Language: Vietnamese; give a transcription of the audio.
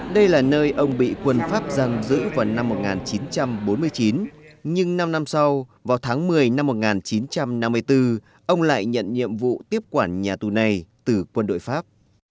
đây là nơi ông bị quân pháp giam giữ vào năm một nghìn chín trăm bốn mươi chín nhưng năm năm sau vào tháng một mươi năm một nghìn chín trăm năm mươi bốn ông lại nhận nhiệm vụ tiếp quản nhà tù này từ quân đội pháp